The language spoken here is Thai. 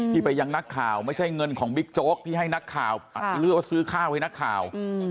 ไปยังนักข่าวไม่ใช่เงินของบิ๊กโจ๊กที่ให้นักข่าวหรือว่าซื้อข้าวให้นักข่าว